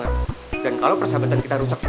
jadi lo mau atau engga